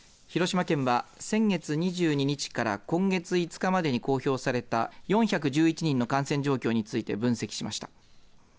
広島県は先月２２日から今月５日までに公表された４１１人の感染状況について分析しました。